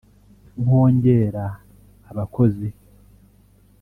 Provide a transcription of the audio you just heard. nkongera abakozi